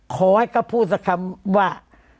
ขอให้เขาพูดสักคำว่า